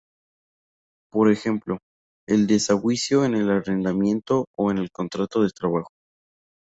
Por ejemplo, el desahucio en el arrendamiento o en el contrato de trabajo.